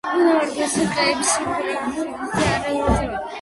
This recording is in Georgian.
ბუნებრივი ტყეები ლიფუკას კუნძულზე არ არსებობს.